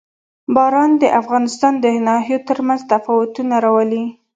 باران د افغانستان د ناحیو ترمنځ تفاوتونه راولي.